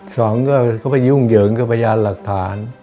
สองก็เข้าไปยุ่งเหยิงกับพยานหลักฐาน